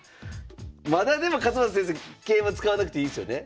まだでも勝又先生桂馬使わなくていいですよね？